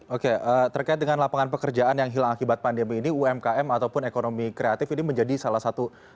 oke terkait dengan lapangan pekerjaan yang hilang akibat pandemi ini umkm ataupun ekonomi kreatif ini menjadi salah satu